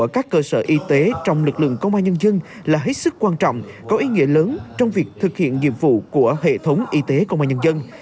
cơ sở y tế công an nhân dân là hết sức quan trọng có ý nghĩa lớn trong việc thực hiện nhiệm vụ của hệ thống y tế công an nhân dân